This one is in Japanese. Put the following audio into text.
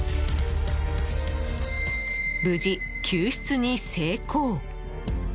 無事、救出に成功。